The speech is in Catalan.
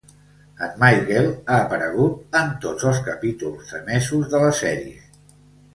En Michael ha aparegut en tots els capítols emesos de la sèrie.